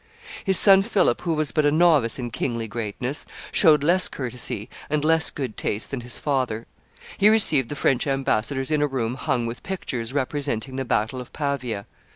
His son Philip, who was but a novice in kingly greatness, showed less courtesy and less good taste than his father; he received the French ambassadors in a room hung with pictures representing the battle of Pavia.